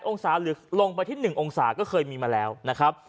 องศาหรือลงไปที่๑องศาก็เคยมีมาแล้วนะครับ